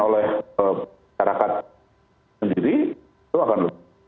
kalau diadakan oleh masyarakat sendiri itu akan lebih